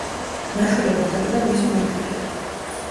ნაშვილები ხდებოდა მისი მემკვიდრე.